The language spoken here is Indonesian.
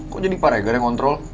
kok jadi pak regar yang kontrol